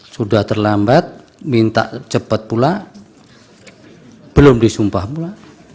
sudah terlambat minta cepat pula belum disumpah pula